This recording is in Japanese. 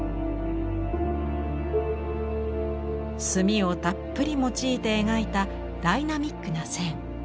墨をたっぷり用いて描いたダイナミックな線。